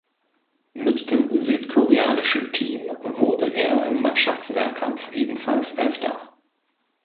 Mit dem südkoreanischen Team wurde er im Mannschaftsmehrkampf ebenfalls Elfter.